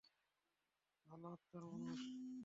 ভালো আত্মার মানুষ।